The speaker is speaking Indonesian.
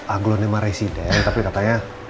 aglo nema residen tapi katanya